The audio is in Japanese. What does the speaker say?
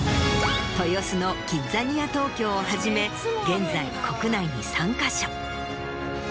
豊洲のキッザニア東京をはじめ現在国内に３か所。